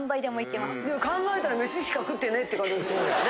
でも考えたら飯しか食ってねえって感じがするもんね。